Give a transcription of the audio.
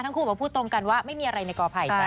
ทั้งคู่บอกพูดตรงกันว่าไม่มีอะไรในกอภัยจ้